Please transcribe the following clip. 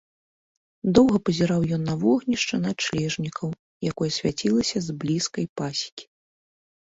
Доўга пазіраў ён на вогнішча начлежнікаў, якое свяцілася з блізкай пасекі.